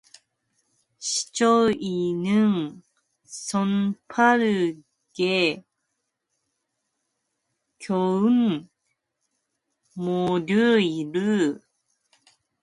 신철이는 손빠르게 격문 뭉텅이를 그의 손에 힘있게 들려 주었다.